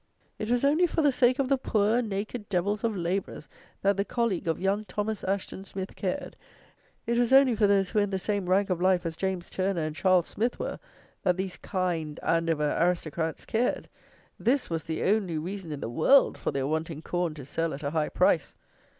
It was only for the sake of the poor, naked devils of labourers, that the colleague of young Thomas Asheton Smith cared; it was only for those who were in the same rank of life as James Turner and Charles Smith were, that these kind Andover aristocrats cared! This was the only reason in the world for their wanting corn to sell at a high price?